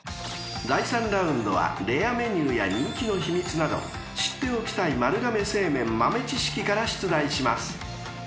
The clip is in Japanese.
［第３ラウンドはレアメニューや人気の秘密など知っておきたい丸亀製麺豆知識から出題します］